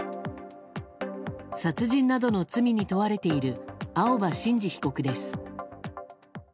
殺人などの罪に問われている青葉真司被告です。